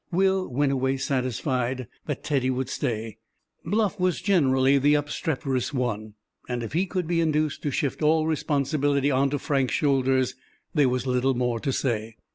Will went away satisfied that Teddy would stay. Bluff was generally the obstreperous one, and if he could be induced to shift all responsibility on to Frank's shoulders, there was little more to say.